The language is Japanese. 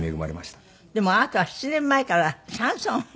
でもあなた７年前からシャンソンフフ。